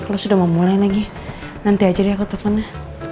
lo sudah mau mulai lagi nanti ajar ya aku teleponnya